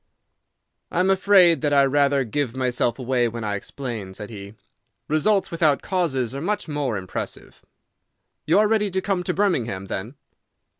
"I am afraid that I rather give myself away when I explain," said he. "Results without causes are much more impressive. You are ready to come to Birmingham, then?"